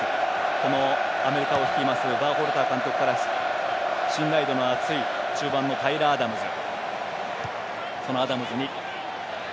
このアメリカを率いますバーホルター監督から信頼度も厚い中盤のタイラー・アダムズ。